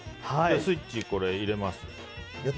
スイッチ入れます。